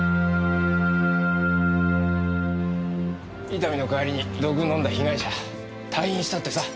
伊丹の代わりに毒を飲んだ被害者退院したってさ。